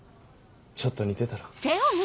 ちょっと似てたろ。